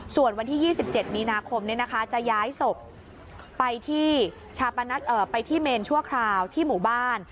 ส่วนวันที่๒๗มีนาคมจะย้ายศพไปที่ไปที่เมนชั่วคราวที่หมู่บ้าน